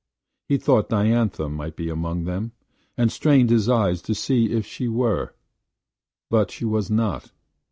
He thought Diantha might be among them, and strained his eyes to see if she were. But she was not.